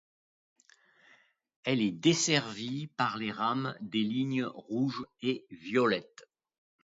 Elle est desservie par les rames des lignes rouge et violette.